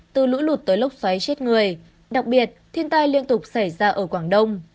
từ lũ lụt tới lốc xoáy chết người đặc biệt thiên tai liên tục xảy ra ở quảng đông